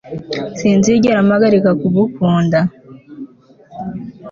Sinzigera mpagarika kugukunda